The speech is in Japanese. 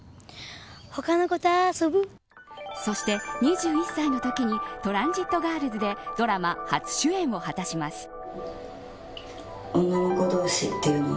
そして、２１歳のときにトランジットガールズでドラマ初主演を果たします。